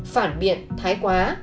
phản biện thái quá